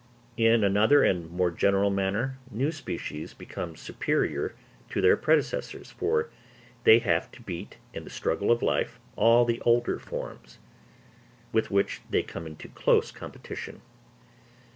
In another and more general manner, new species become superior to their predecessors; for they have to beat in the struggle for life all the older forms, with which they come into close competition.